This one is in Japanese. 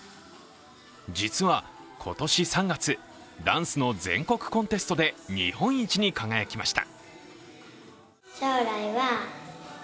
実は今年３月、ダンスの全国コンテストで日本一に輝きました。